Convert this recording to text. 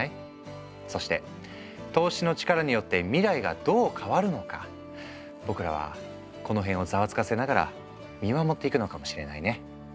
そして投資の力によって未来がどう変わるのか僕らはこの辺をざわつかせながら見守っていくのかもしれないね。